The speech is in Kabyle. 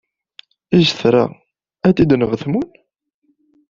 Is tra ad idenɣ tmun?